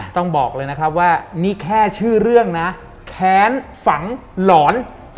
ต้องบอกเลยนะครับว่านี่แค่ชื่อเรื่องนะแค้นฝังหลอน